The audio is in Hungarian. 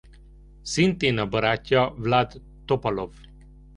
Szintén a barátja Vlad Topalov.